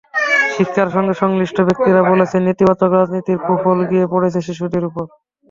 শিক্ষার সঙ্গে সংশ্লিষ্ট ব্যক্তিরা বলছেন, নেতিবাচক রাজনীতির কুফল গিয়ে পড়েছে শিশুদের ওপর।